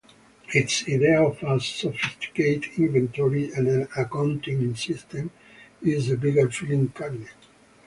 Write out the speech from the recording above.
Its idea of a sophisticated inventory and accounting system is a bigger filing cabinet.